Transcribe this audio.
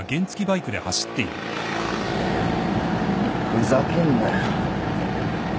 ふざけんなよ。